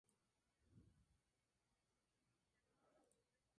El Domingo por la mañana se quemaba en el atrio "el Judas".